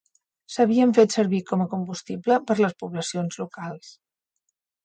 S'havien fet servir com a combustible per les poblacions locals.